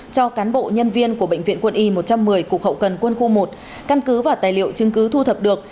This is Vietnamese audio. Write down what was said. cho cán bộ nhân viên của bệnh viện quân y một trăm một mươi cục hậu cần quân khu một căn cứ và tài liệu chứng cứ thu thập được